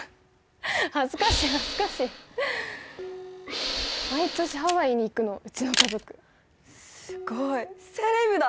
恥ずかしい恥ずかしい毎年ハワイに行くのうちの家族すごいセレブだ！